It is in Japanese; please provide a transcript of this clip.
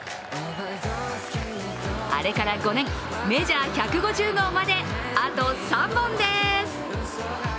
あれから５年、メジャー１５０号まであと３本です。